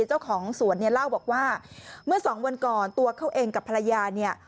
เจ้าของสวนเนี่ยเล่าบอกว่าเมื่อสองวันก่อนตัวเขาเองกับภรรยาเนี่ย